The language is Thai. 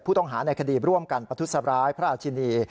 ผู้ต้องหาในคดีบร่วมกันประทุษฎรายพระอาจินี